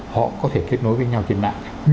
họ có thể kết nối với nhau trên mạng